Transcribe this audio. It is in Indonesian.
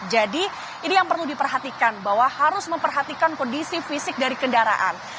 jadi ini yang perlu diperhatikan bahwa harus memperhatikan kondisi fisik dari kendaraan